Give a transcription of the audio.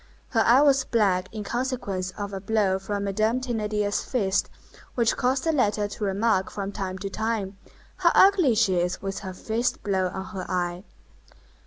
Her eye was black in consequence of a blow from Madame Thénardier's fist, which caused the latter to remark from time to time, "How ugly she is with her fist blow on her eye!"